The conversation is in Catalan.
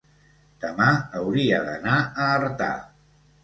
Demà hauria d'anar a Artà.